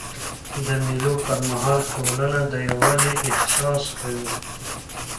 د مېلو پر مهال ټولنه د یووالي احساس کوي.